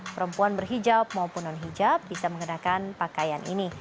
perempuan berhijab maupun non hijab bisa mengenakan pakaian ini